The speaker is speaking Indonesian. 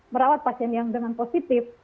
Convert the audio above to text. merawat pasien yang dengan positif